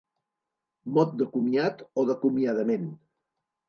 Mot de comiat o d'acomiadament.